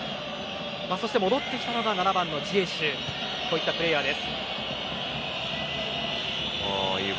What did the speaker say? そして、戻ってきたのが７番、ジエシュなどこういったプレーヤーです。